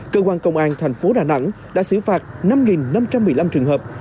cơ quan công an thành phố đà nẵng đã xử phạt năm năm trăm một mươi năm trường hợp